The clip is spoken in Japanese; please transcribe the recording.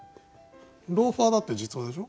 「ローファー」だって実話でしょ？